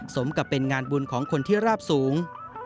สมกับเป็นงานบุญของคนที่ราบสูง